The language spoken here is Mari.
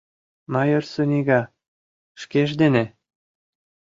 Майор Сунига шкеж дене?